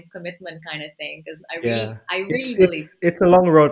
karena saya sangat berharap